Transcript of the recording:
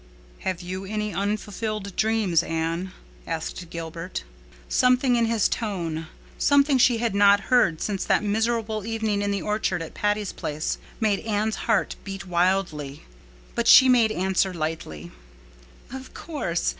"Have you any unfulfilled dreams, Anne?" asked Gilbert. Something in his tone—something she had not heard since that miserable evening in the orchard at Patty's Place—made Anne's heart beat wildly. But she made answer lightly. "Of course.